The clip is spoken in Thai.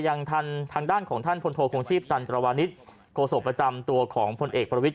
ทางด้านของท่านพลโทคงชีพตันตรวานิสโคศกประจำตัวของพลเอกประวิทย